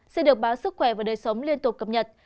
sẽ được báo sức khỏe và đời sống liên tục cập nhật